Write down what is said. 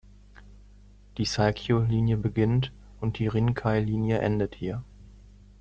Die Saikyō-Linie beginnt, und die Rinkai-Linie endet hier.